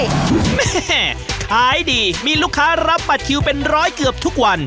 แม่ขายดีมีลูกค้ารับบัตรคิวเป็นร้อยเกือบทุกวัน